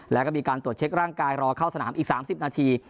แล้วก็มีการตรวจเช็คร่างกายรอเข้าสนามอีก๓๐นาที